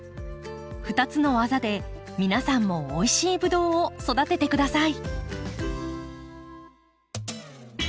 ２つのわざで皆さんもおいしいブドウを育ててください。